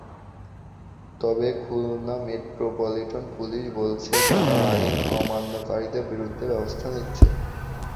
তবে Khulna metropolitan police বলছে, তারা আইন অমান্যকারীদের বিরুদ্ধে ব্যবস্থা নিচ্ছে।